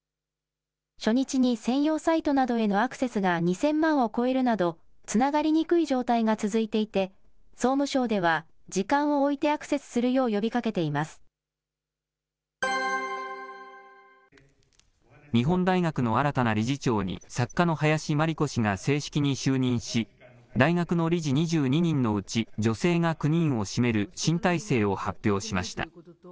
初日に専用サイトなどへのアクセスが２０００万を超えるなど、つながりにくい状態が続いていて、総務省では時間をおいてアクセス日本大学の新たな理事長に、作家の林真理子氏が正式に就任し、大学の理事２２人のうち、女性が９人を占める新体制を発表しました。